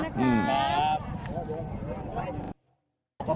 ขอบคุณสิครับ